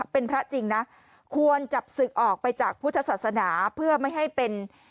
เป็นพระจริงนะควรจับศึกออกไปจากพุทธศาสนาเพื่อไม่ให้เป็น